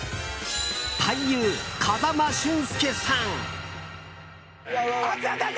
俳優・風間俊介さん。